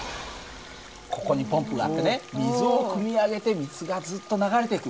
ここにポンプがあってね水をくみ上げて水がずっと流れていく。